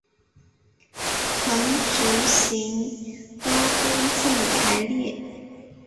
横直行都跟字母排列。